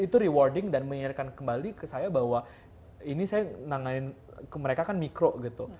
itu rewarding dan mengingatkan kembali ke saya bahwa ini saya nanganin mereka kan mikro gitu